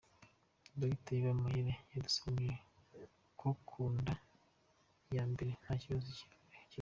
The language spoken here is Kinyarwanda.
Dr Iba Mayere yadusobanuriye ko ku nda ya mbere nta kibazo kibaho.